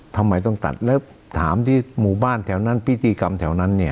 ทำไมต้องตัดแล้วถามที่หมู่บ้านแถวนั้นพิธีกรรมแถวนั้นเนี่ย